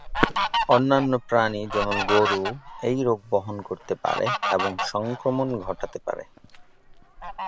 অন্যান্য প্রাণী, যেমন গরু, এই রোগ বহন করতে পারে এবং সংক্রমণ ঘটাতে পারে।